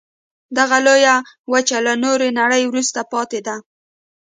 دغه لویه وچه له نورې نړۍ وروسته پاتې ده.